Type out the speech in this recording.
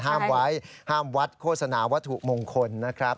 ห้ามไว้ห้ามวัดโฆษณาวัตถุมงคลนะครับ